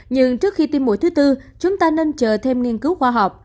nhưng trước khi tiêm mũi thứ tư chúng ta nên chờ thêm nghiên cứu khoa học